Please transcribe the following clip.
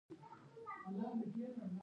په افغانستان کې تالابونه ډېر اهمیت لري.